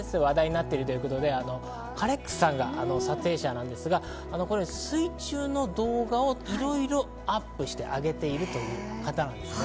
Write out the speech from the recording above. これはＳＮＳで話題になっているということで、かれっくすさんが撮影者なんですが、水中の動画をいろいろアップしてあげているという方なんですね。